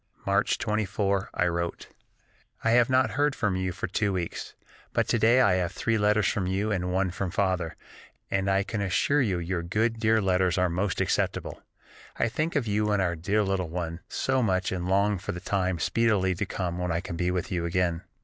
March 24 I wrote: "I have not heard from you for two weeks, but to day I have three letters from you and one from Father, and I can assure you your good, dear letters are most acceptable. I think of you and our dear little one so much and long for the time speedily to come when I can be with you again.